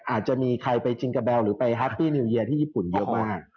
อาจจะมีใครไปจิงกาแบลหรือไปแฮปปี้นิวเยีที่ญี่ปุ่นเยอะมาก